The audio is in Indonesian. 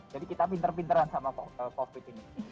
jadi kita pinter pinteran sama covid ini